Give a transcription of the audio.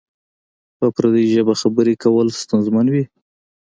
په پردۍ ژبه خبری کول ستونزمن وی؟